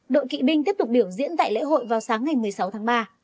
đội kỵ binh tiếp tục biểu diễn tại lễ hội vào sáng ngày một mươi sáu tháng ba